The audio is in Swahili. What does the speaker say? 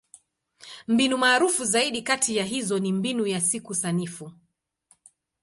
Mbinu maarufu zaidi kati ya hizo ni Mbinu ya Siku Sanifu.